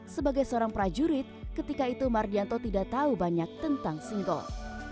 sebagai seorang prajurit ketika itu mardianto tidak tahu banyak tentang singkong